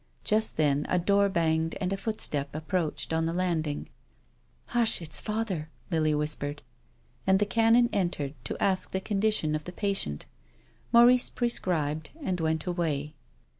Just then a door banged and a footstep approached on the landing. " Hush, it's father," Lily whispered. And the Canon entered to ask the condition of the patient. Maurice prescribed and went away.